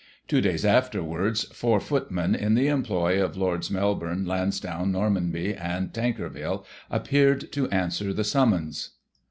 Two days cifterwards, four footmen in the employ of Lords Melbourne, Lansdowne, Normanby and Tankerville appeared to answer the summonses.